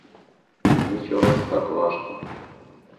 Мені чогось так важко.